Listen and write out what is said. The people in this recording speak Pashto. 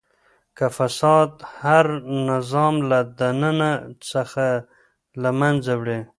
فساد هر نظام له دننه څخه له منځه وړي.